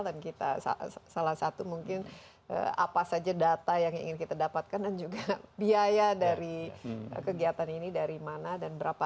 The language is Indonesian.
dan kita salah satu mungkin apa saja data yang ingin kita dapatkan dan juga biaya dari kegiatan ini dari mana dan berapa